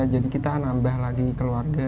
jadi kita nambah lagi keluarga